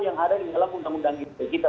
yang ada di dalam undang undang ite kita